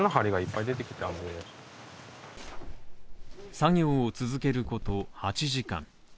作業を続けることを８時間。